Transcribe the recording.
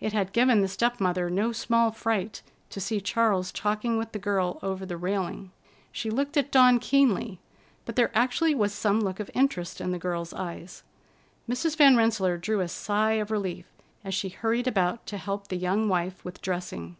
It had given the step mother no small fright to see Charles talking with the girl over the railing. She looked at Dawn keenly, but there actually was some look of interest in the girl's eyes. Mrs. Van Rensselaer drew a sigh of relief as she hurried about to help the young wife with dressing.